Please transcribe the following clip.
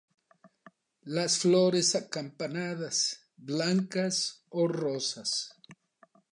Las flores acampanadas, blancas o rosas.